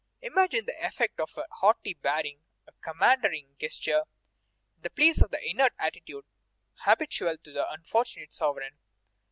Imagine the effect of a haughty bearing, a commanding gesture in place of the inert attitude habitual to the unfortunate sovereign.